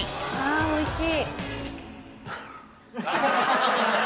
あおいしい。